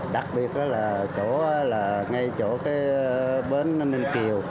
đặc biệt là ngay chỗ bến ninh kiều